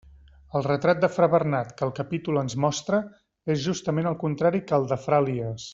El retrat de fra Bernat que el capítol ens mostra és justament el contrari que el de fra Elies.